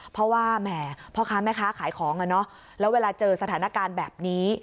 เพราะว่าแหมพ่อค้าแม่ค้าขายของแล้วเวลาเจอสถานการณ์แบบนี้